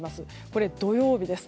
これ、土曜日です。